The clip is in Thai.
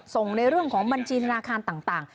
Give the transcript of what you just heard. ในเรื่องของบัญชีธนาคารต่าง